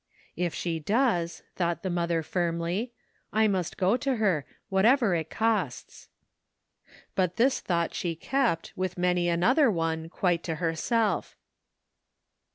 "If she does," thought the mother firmly, " I must go to her, whatever it costs." But this thought she kept, with many another one, quite to herself.